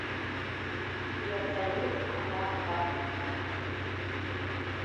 Иаҵаҩуп адрама ҳәа.